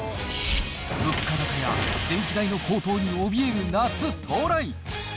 物価高や電気代の高騰におびえる夏到来。